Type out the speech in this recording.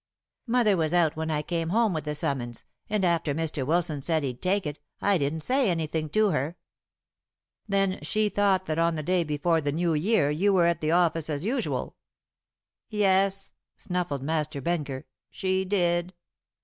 "Mother was out when I came home with the summons, and after Mr. Wilson said he'd take it I didn't say anything to her." "Then she thought that on the day before the New Year you were at the office as usual?" "Yes," snuffled Master Benker, "she did.